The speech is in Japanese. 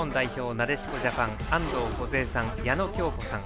なでしこジャパン安藤梢さん、矢野喬子さん